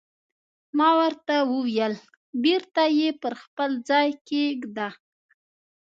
ما ورته وویل: بېرته یې پر خپل ځای کېږده.